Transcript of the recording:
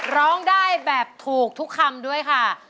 ร้องได้แบบถูกทุกคำด้วยค่ะ